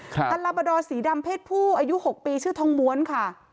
คันลาบาดอร์สีดำเพศผู้อายุ๖ปีชื่อทองม้วนค่ะ